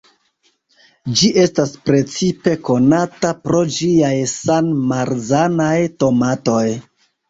Ĝi estas precipe konata pro ĝiaj san-marzanaj tomatoj.